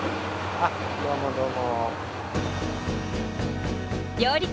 あっどうもどうも。